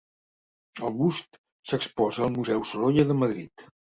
El bust s’exposa al Museu Sorolla de Madrid.